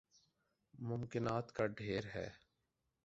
ممکنات کا ڈھیر ہے۔